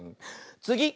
つぎ！